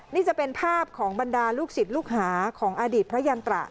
นี่จะเป็นภาพของบรรดาลูกศิษย์ลูกหาของอดีตพระยันตระ